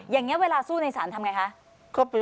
อย่างนี้เวลาสู้ในศาลทำไงคะ